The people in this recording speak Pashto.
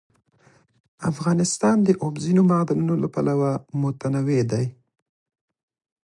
افغانستان د اوبزین معدنونه له پلوه متنوع دی.